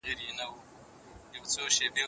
له جهانه پټي سترګي تر خپل ګوره پوري تللای